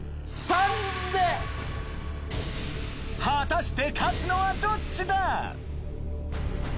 果たして勝つのはどっちだ？